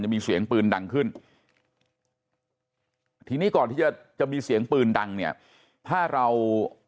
มีเสียงปืนดังขึ้นทีนี้ก่อนที่จะจะมีเสียงปืนดังเนี่ยถ้าเรา